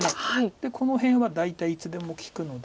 でこの辺は大体いつでも利くので。